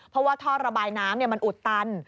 เพราะว่าท่อระบายน้ำมันอุดตัน